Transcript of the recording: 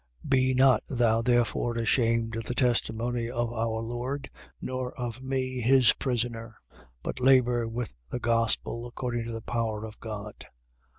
1:8. Be not thou therefore ashamed of the testimony of our Lord, nor of me his prisoner: but labour with the gospel, according to the power of God.